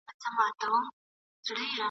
د ګلونو په بستر کي د خزان کیسه کومه !.